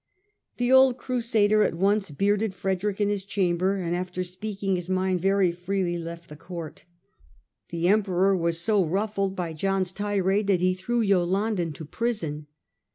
The old Crusader at once bearded Frederick in his chamber, and after speaking his mind very freely, left the Court. The Emperor was so ruffled by John's tirade that he threw Yolande into prison.